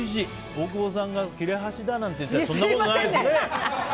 大久保さんが切れ端だなんてそんなことないです。